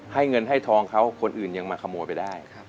ให้เงินให้ทองเขาคนอื่นยังมาขโมยไปได้